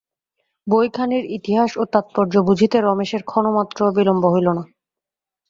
বইখানির ইতিহাস ও তাৎপর্য বুঝিতে রমেশের ক্ষণমাত্রও বিলম্ব হইল না।